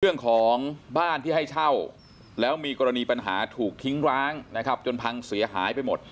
เรื่องของบ้านที่ให้เช่าแล้วมีกรณีปัญหาถูกทิ้งร้างนะครับจนพังเสียหายไปหมด